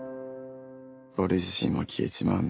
俺自身も消えちまうんだ。